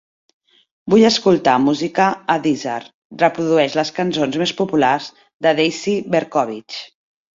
Vull escoltar música a Deezer, reprodueix les cançons més populars de Daisy Berkowitz.